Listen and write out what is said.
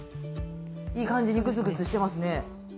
いい感じにグツグツしてますね。